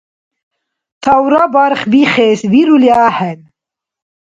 Тавра барх бихес вирули ахӀен.